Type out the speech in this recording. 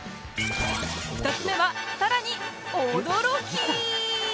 ２つ目はさらに驚き！